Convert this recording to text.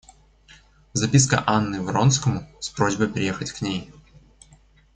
Записка Анны Вронскому с просьбой приехать к ней.